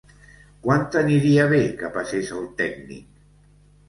Quan t'aniria bé que passés el tècnic?